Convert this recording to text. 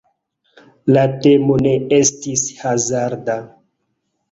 La temo ne estis hazarda.